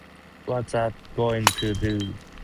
What's that going to do?